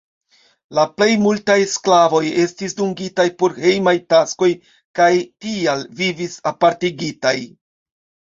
La plej multaj sklavoj estis dungitaj por hejmaj taskoj kaj tial vivis apartigitaj.